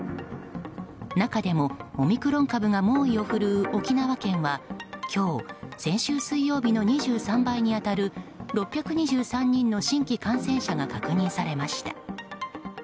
中でもオミクロン株が猛威を振るう沖縄県は今日、先週水曜日の２３倍に当たる６２３人の新規感染者が確認されました。